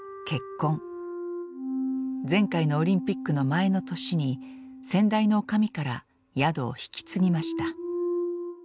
前回のオリンピックの前の年に先代の女将から宿を引き継ぎました。